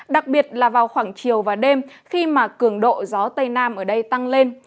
đặc biệt là vào khoảng chiều và đêm khi mà cường độ gió tây nam ở đây tăng lên